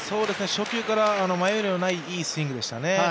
初球から迷いのない、いいスイングでしたね。